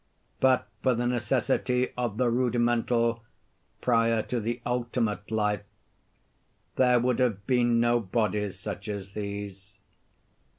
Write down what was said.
But for the necessity of the rudimental, prior to the ultimate life, there would have been no bodies such as these.